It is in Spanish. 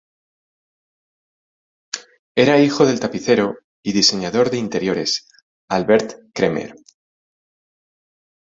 Era hijo del tapicero y diseñador de interiores Albert Cremer.